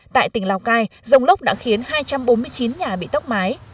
tại tỉnh lào cai rông lốc đã khiến hai trăm bốn mươi chín nhà bị tốc mái